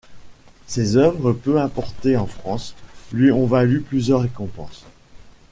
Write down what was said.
Ses œuvres, peu importées en France, lui ont valu plusieurs récompenses.